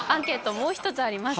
もう一つあります